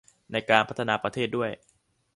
ในการพัฒนาประเทศด้วย